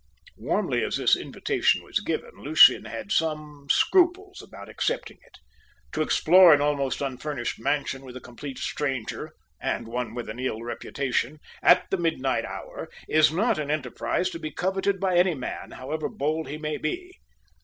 Warmly as this invitation was given, Lucian had some scruples about accepting it. To explore an almost unfurnished mansion with a complete stranger and one with an ill reputation at the midnight hour, is not an enterprise to be coveted by any man, however bold he may be.